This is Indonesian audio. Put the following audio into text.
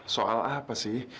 soal apa sih